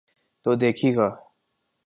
تو دیکھیے گا۔